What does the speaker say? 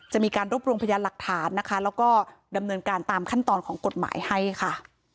จะมีการรวบรวมพยานหลักฐานนะคะแล้วก็ดำเนินการตามขั้นตอนของกฎหมายให้ค่ะ